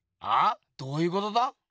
あ？どういうことだ？